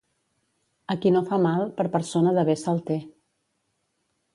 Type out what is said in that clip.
A qui no fa mal, per persona de bé se'l té.